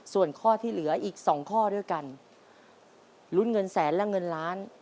ส่วนข้อที่เหลืออีก๒ข้อด้วยกันลุ้นเงินแสนและเงินล้าน